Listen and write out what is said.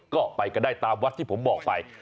ก็ไปกันได้ตามวัดที่ผมบอกไป